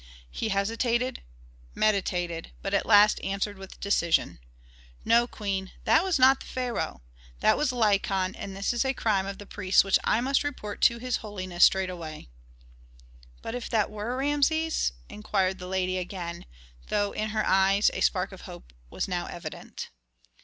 He hesitated, meditated, but at last answered with decision, "No, queen, that was not the pharaoh. That was Lykon, and this is a crime of the priests which I must report to his holiness straightway." "But if that were Rameses?" inquired the lady again, though in her eyes a spark of hope was now evident.